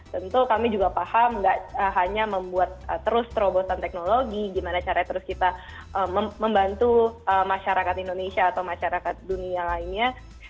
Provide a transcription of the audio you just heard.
tentu kami juga paham nggak hanya membuat terus terobosan teknologi gimana caranya terus kita membantu masyarakat indonesia atau masyarakat dunia lainnya